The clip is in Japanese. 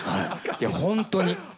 本当に。